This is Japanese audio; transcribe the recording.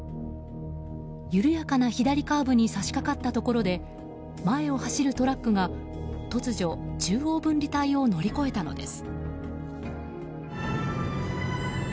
緩やかな左カーブに差し掛かったところで前を走るトラックが突如中央分離帯を乗り越えたのです。